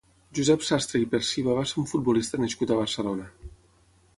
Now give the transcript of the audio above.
Josep Sastre i Perciba va ser un futbolista nascut a Barcelona.